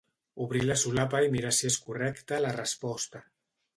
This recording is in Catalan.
Obrir la solapa i mirar si és correcta la resposta.